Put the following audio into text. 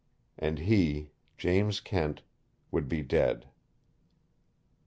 And he, James Kent, would be DEAD!